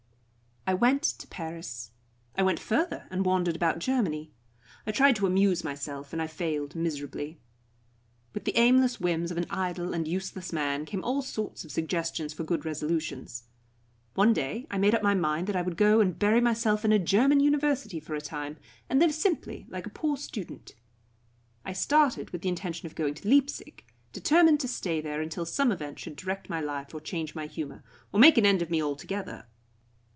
I went to Paris. I went further, and wandered about Germany. I tried to amuse myself, and I failed miserably. With the aimless whims of an idle and useless man, came all sorts of suggestions for good resolutions. One day I made up my mind that I would go and bury myself in a German university for a time, and live simply like a poor student. I started with the intention of going to Leipzic, determined to stay there until some event should direct my life or change my humour, or make an end of me altogether.